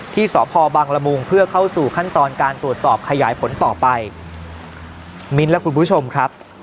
ที่ศขอบครบังละมูงเพื่อเข้าสู่ขั้นตอนการตรวจสอบขยายผลต่อไปแล้วคุณผู้ชมครับ